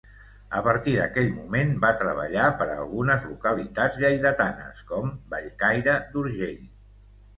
A partir d'aquell moment va treballar per a algunes localitats lleidatanes com Bellcaire d'Urgell.